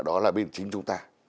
đó là bên chính chúng ta